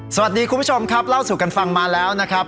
สวัสดีคุณผู้ชมครับเล่าสู่กันฟังมาแล้วนะครับ